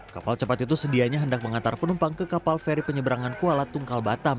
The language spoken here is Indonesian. kapal cepat itu sedianya hendak mengantar penumpang ke kapal feri penyeberangan kuala tungkal batam